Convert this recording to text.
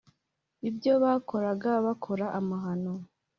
ibyo bakoraga bakora amahano